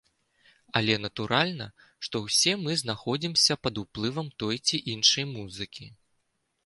Але натуральна, што ўсе мы знаходзімся пад уплывам той ці іншай музыкі.